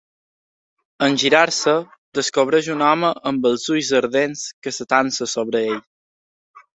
En girar-se, descobreix un home amb els ulls ardents que s'atansa sobre ell.